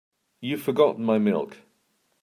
You've forgotten my milk.